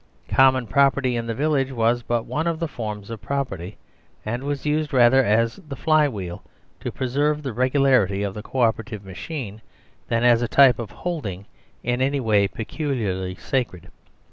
Common property in the vil lage was but one of the forms of property, and was used rather as the fly wheel to preserve the regularity of the co operative machine than as a type of holding in any way peculiarly sacred.